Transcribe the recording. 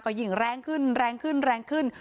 ก็ยิ่งแรงขึ้นแรงขึ้นแรงขึ้น